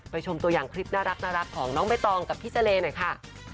ชมตัวอย่างคลิปน่ารักของน้องใบตองกับพี่เจรหน่อยค่ะ